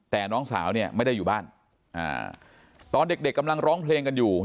แต่น้องสาวเนี่ยไม่ได้อยู่บ้านตอนเด็กเด็กกำลังร้องเพลงกันอยู่